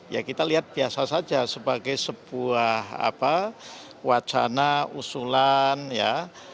ya kita lihat biasa saja sebagai sebuah wacana usulan ya